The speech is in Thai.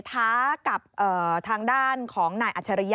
ท้ากับทางด้านของนายอัจฉริยะ